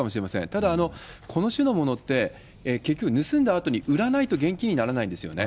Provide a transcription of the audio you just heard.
ただ、この種のものって、結局、盗んだあとに売らないと現金にならないんですよね。